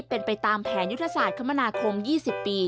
เป็นไปตามแผนยุทธศาสตร์คมนาคม๒๐ปี